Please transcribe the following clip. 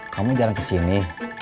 kamu jarang kesini